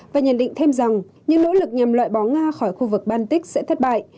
và nhận định thêm rằng những nỗ lực nhằm loại bỏ nga khỏi khu vực baltic sẽ thất bại